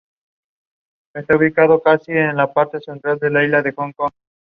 Sin embargo, el Congreso no puede enmendar la jurisdicción en única instancia del Tribunal.